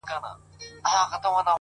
دا درېيم ځل دی چي مات زړه ټولوم _